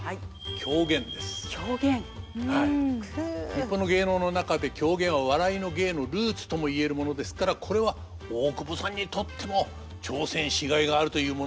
日本の芸能の中で狂言は「笑いの芸」のルーツともいえるものですからこれは大久保さんにとっても挑戦しがいがあるというものです。